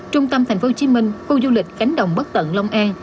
trung tâm thành phố hồ chí minh khu du lịch cánh đồng bất tận long an